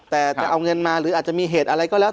แต่จะเอาเงินมาหรืออาจจะมีเหตุอะไรก็แล้ว